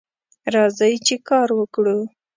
راځئ چې کار وکړو